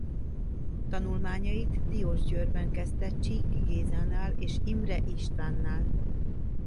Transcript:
Tanulmányait Diósgyőrben kezdte Csík Gézánál és Imreh Istvánnál.